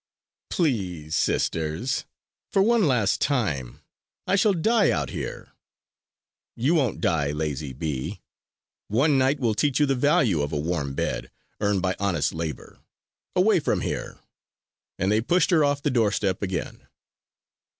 "Please, sisters, for one last time! I shall die out here!" "You won't die, lazy bee! One night will teach you the value of a warm bed earned by honest labor! Away from here!" And they pushed her off the doorstep again.